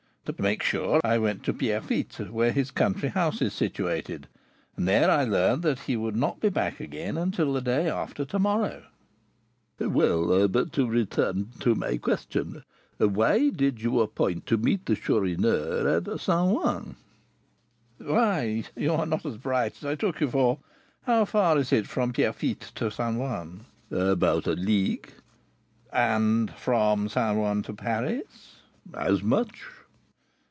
To make sure, I went to Pierrefitte, where his country house is situated, and there I learned that he would not be back again until the day after to morrow." "Well, but to return to my question; why did you appoint to meet the Chourineur at St. Ouen?" "Why, you are not so bright as I took you for. How far is it from Pierrefitte to St. Ouen?" "About a league." "And from St. Ouen to Paris?" "As much."